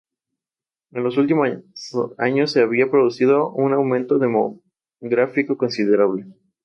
En los últimos años se había producido un aumento demográfico considerable.